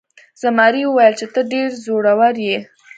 زمري وویل چې ته ډیر زړور یې.